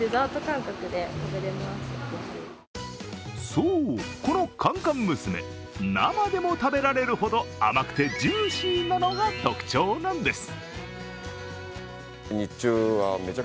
そう、この甘々娘、生でも食べられるほど甘くてジューシーなのが特徴なんです。